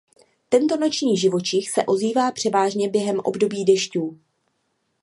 Tento noční živočich se ozývá převážně během období dešťů.